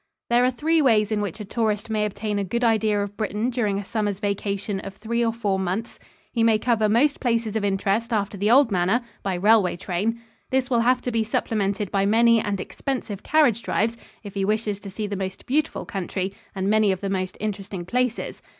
There are three ways in which a tourist may obtain a good idea of Britain during a summer's vacation of three or four months. He may cover most places of interest after the old manner, by railway train. This will have to be supplemented by many and expensive carriage drives if he wishes to see the most beautiful country and many of the most interesting places.